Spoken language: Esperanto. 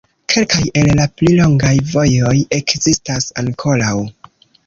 Kelkaj el la pli longaj vojoj ekzistas ankoraŭ.